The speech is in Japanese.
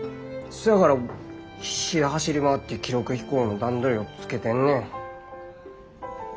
そやから必死で走り回って記録飛行の段取りをつけてんねん。